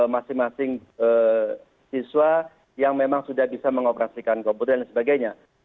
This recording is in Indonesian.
masing masing siswa yang memang sudah bisa mengoperasikan komputer dan sebagainya